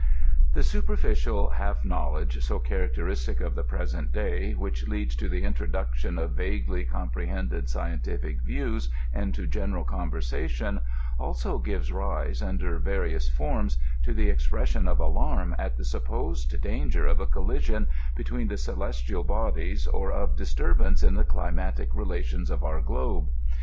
The superficial half knowledge, so characteristic of the present day, which leads to the introduction of vaguely com prohended scientific views into general conversation, also gives rise, under various forms, to the expression of alarm at the supposed danger of a collision between the celestial bodies, or of disturbance in the climatic relations of our globe.